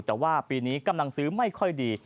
แต่ว่าปีนี้กำลังซื้อไม่ค่อยดี